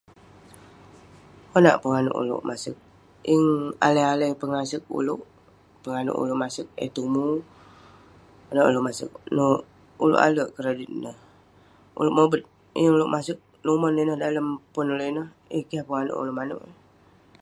Konak penganouk ulouk masek..yeng alai alai pengasek ulouk..penganouk ulouk masem eh tumu..konak ulouk masek, ineh ulouk alek kredit ineh, ulouk mobet, yeng ulouk masek numon ineh dalem pon ulouk ineh..yeng keh penganouk ulouk manouk eh